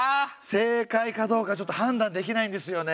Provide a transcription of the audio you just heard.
正解かどうかはちょっと判断できないんですよね。